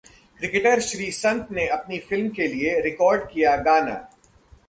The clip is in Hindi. क्रिकेटर श्रीसंत ने अपनी फिल्म के लिए रिकॉर्ड किया गाना